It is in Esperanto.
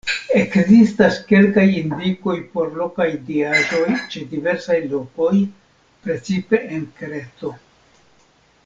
Ekzistas kelkaj indikoj por lokaj diaĵoj ĉe diversaj lokoj, precipe en Kreto.